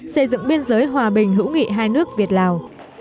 xây dựng biên giới hòa bình hữu nghị hai nước việt lào